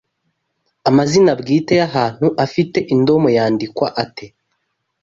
Amazina bwite y’ahantu afite indomo yandikwa ate